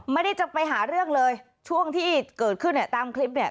ไม่ได้จะไปหาเรื่องเลยช่วงที่เกิดขึ้นเนี่ยตามคลิปเนี่ย